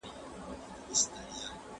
¬ اصيل ته اشارت، کم اصل ته لغت.